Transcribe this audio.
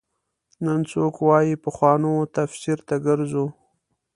نن څوک وايي پخوانو تفسیر ته ګرځو.